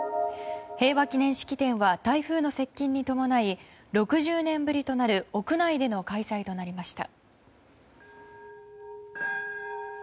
平和祈念式典は台風の接近に伴い６０年ぶりとなる屋内での開催となりました。